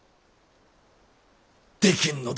できぬのだ。